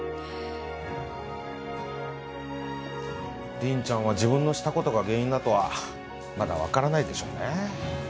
凛ちゃんは自分のした事が原因だとはまだわからないでしょうね。